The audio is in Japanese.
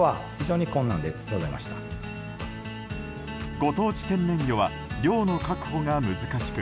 ご当地天然魚は量の確保が難しく